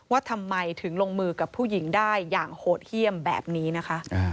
ว่าทำไมถึงลงมือกับผู้หญิงได้อย่างโหดเยี่ยมแบบนี้นะคะ